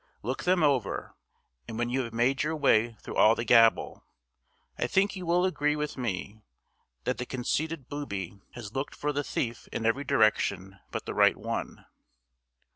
Look them over; and when you have made your way through all the gabble, I think you will agree with me that the conceited booby has looked for the thief in every direction but the right one.